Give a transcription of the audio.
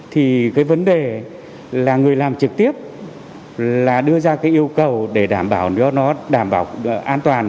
thì cái vấn đề là người làm trực tiếp là đưa ra cái yêu cầu để đảm bảo cho nó đảm bảo an toàn